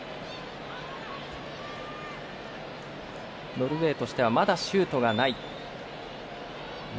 ノルウェーとしてはまだシュートがない。